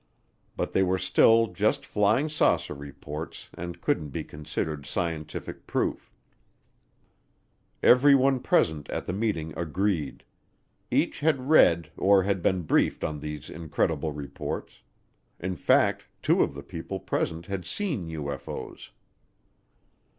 But they were still just flying saucer reports and couldn't be considered scientific proof. Everyone present at the meeting agreed each had read or had been briefed on these incredible reports. In fact, two of the people present had seen UFO's.